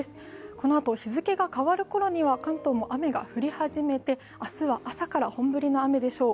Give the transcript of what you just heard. このあと、日付が変わるころには関東も雨が降り始めて、明日は朝から本降りの雨でしょう。